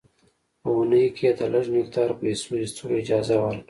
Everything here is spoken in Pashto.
په اونۍ کې یې د لږ مقدار پیسو ایستلو اجازه ورکړه.